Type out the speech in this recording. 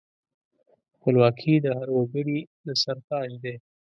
خپلواکي د هر وګړي د سر تاج دی.